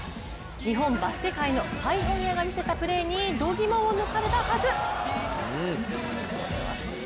日本バスケ界のパイオニアが見せたプレーにどぎもを抜かれたはず！